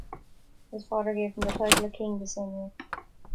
His father gave him the title of king the same year.